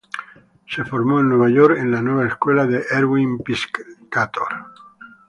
Se formó en Nueva York en La Nueva Escuela con Erwin Piscator.